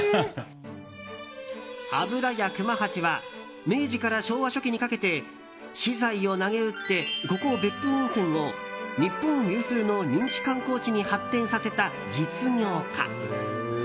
油屋熊八は明治から昭和初期にかけて私財を投げ打ってここ別府温泉を日本有数の人気観光地に発展させた実業家。